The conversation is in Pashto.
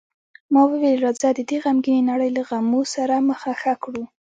ما وویل: راځه، د دې غمګینې نړۍ له غمو سره مخه ښه وکړو.